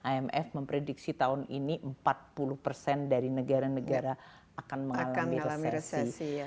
imf memprediksi tahun ini empat puluh persen dari negara negara akan mengalami resepsi